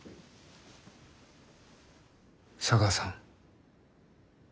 茶川さん。